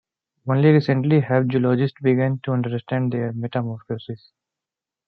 Only recently have zoologists begun to understand their metamorphosis.